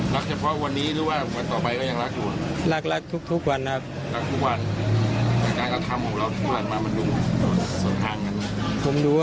เฉพาะวันนี้หรือว่าวันต่อไปก็ยังรักอยู่